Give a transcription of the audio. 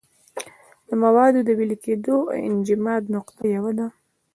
د موادو د ویلې کېدو او انجماد نقطه یوه ده.